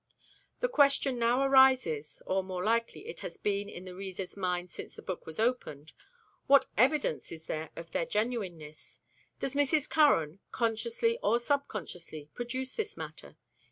The question now arises, or, more likely, it has been in the reader's mind since the book was opened: What evidence is there of their genuineness? Does Mrs. Curran, consciously or subconsciously, produce this matter?